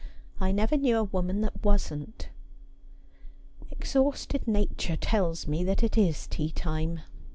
I never knew a woman that wasn't.' ' Exhausted nature tells me that it is tea time.